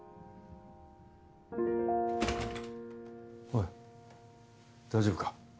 おい大丈夫か？